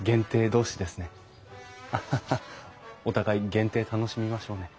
お互い限定楽しみましょうね。